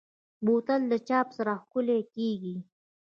بوتل له چاپ سره ښکلي کېږي.